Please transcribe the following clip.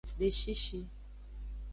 Beshishi.